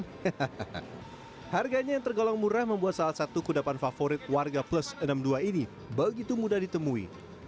hahaha harganya yang tergolong murah membuat salah satu kudapan favorit warga plus enam puluh dua ini begitu mudah ditemui